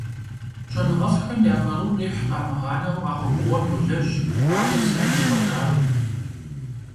ЩӀэныгъэлӀхэм я къару къихь къамыгъанэу а Ӏуэхугъуэм йолэжь, ауэ зыми зихъуэжакъым.